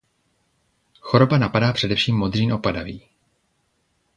Choroba napadá především modřín opadavý.